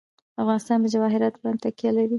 افغانستان په جواهرات باندې تکیه لري.